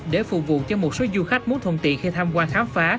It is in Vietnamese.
để phục vụ cho một số du khách muốn thuận tiện khi tham quan khám phá